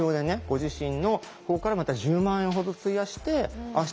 ご自身の方からまた１０万円ほど費やしてああ